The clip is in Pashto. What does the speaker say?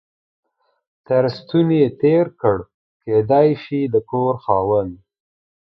تر ستوني تېر کړ، کېدای شي د کور خاوند.